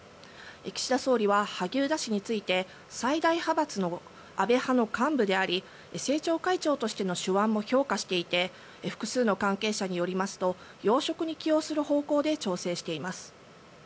岸田総理は萩生田氏について最大派閥の安倍派の幹部であり政調会長としての手腕も評価していて複数の関係者によりますと要職に起用する方向で調整しています。